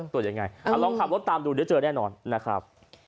ตรวจยังไงลองขับรถตามดูเดี๋ยวเจอแน่นอนนะครับ